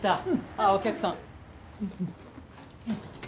あっお客さん。